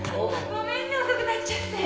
ごめんね遅くなっちゃって